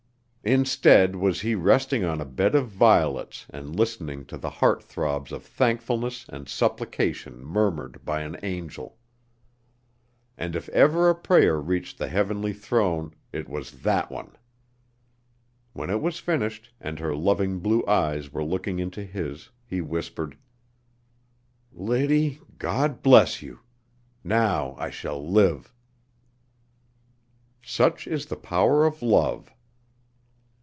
Instead was he resting on a bed of violets and listening to the heart throbs of thankfulness and supplication murmured by an angel! And if ever a prayer reached the heavenly throne it was that one! When it was finished, and her loving blue eyes were looking into his, he whispered: "Liddy, God bless you! Now I shall live." Such is the power of love!